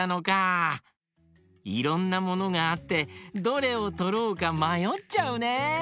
いろんなものがあってどれをとろうかまよっちゃうね！